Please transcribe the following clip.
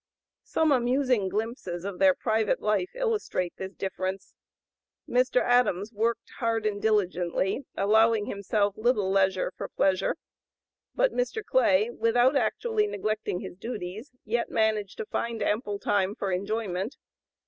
Some amusing glimpses of their private life illustrate this difference. Mr. Adams worked hard and diligently, allowing himself little leisure for pleasure; but Mr. Clay, without actually neglecting his duties, yet managed to find ample time for enjoyment.